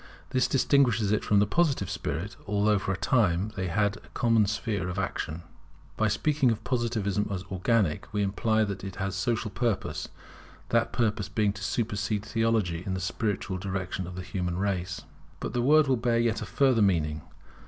This distinguishes it from the Positive spirit, although for a time they had a common sphere of action. By speaking of Positivism as organic, we imply that it has a social purpose; that purpose being to supersede Theology in the spiritual direction of the human race. But the word will bear yet a further meaning.